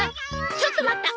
ちょっと待った！